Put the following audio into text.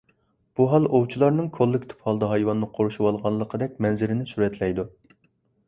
بۇ ھال ئوۋچىلارنىڭ كوللېكتىپ ھالدا ھايۋاننى قورشىۋالغانلىقىدەك مەنزىرىنى سۈرەتلەيدۇ.